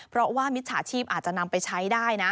เพราะว่ามิตรสาธิบอาจจะนำไปใช้ได้